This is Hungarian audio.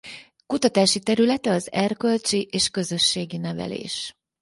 Kutatási területe az erkölcsi és közösségi nevelés.